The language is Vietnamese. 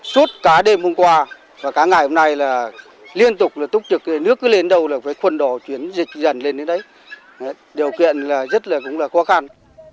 suốt cả đêm hôm qua và cả ngày hôm nay liên tục túc trực nước cứ lên đâu là phải khuẩn đỏ chuyển dần lên đến đấy điều kiện rất là khó khăn